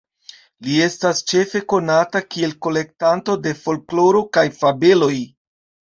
Li estas ĉefe konata kiel kolektanto de folkloro kaj fabeloj.